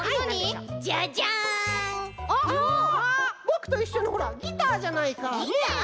ぼくといっしょのギターじゃないかねえ。